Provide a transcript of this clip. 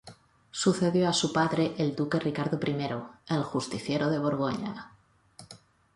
Sucedió a su padre el duque Ricardo I el Justiciero de Borgoña.